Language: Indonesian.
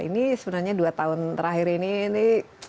ini sebenarnya dua tahun terakhir ini